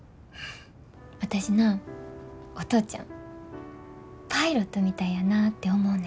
私なお父ちゃんパイロットみたいやなて思うねん。